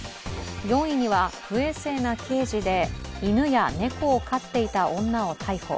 ４位には不衛生なケージで犬や猫を飼っていた女を逮捕。